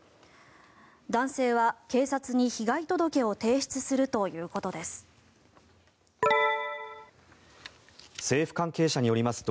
男性は警察に被害届を提出するということです。